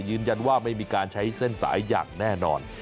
ยืนยันว่าไม่มีการใช้เส้นสายอย่างแน่นอน